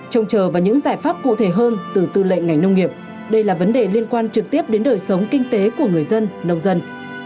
trông chờ vào những giải pháp cụ thể hơn từ tư lệnh ngành nông nghiệp đây là vấn đề liên quan trực tiếp đến đời sống kinh tế của người dân nông dân